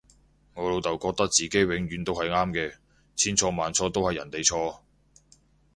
我老竇覺得自己永遠都係啱嘅，千錯萬錯都係人哋錯